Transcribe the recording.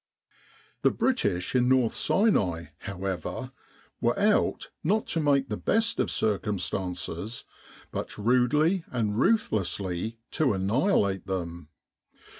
The British in North Sinai, however, were out not to make the best of circumstances, but rudely and ruthlessly to annihilate them.